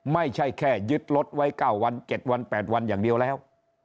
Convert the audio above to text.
ไม่ใช่แค่ยึดรถไว้๙วัน๗วัน๘วันอย่างเดียวแล้ว